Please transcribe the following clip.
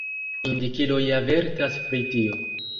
Indikiloj avertas pri tio.